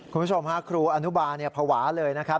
คุณผู้ชมฮะครูอนุบาลภาวะเลยนะครับ